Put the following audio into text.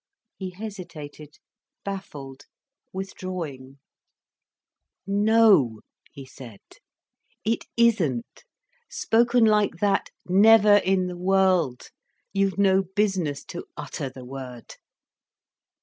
He hesitated, baffled, withdrawing. "No," he said, "it isn't. Spoken like that, never in the world. You've no business to utter the word."